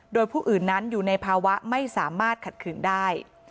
โดยผู้อื่นนั้นอยู่ในภาวะไม่สามารถขัดขืนได้